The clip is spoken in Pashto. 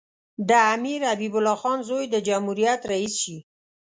د امیر حبیب الله خان زوی د جمهوریت رییس شي.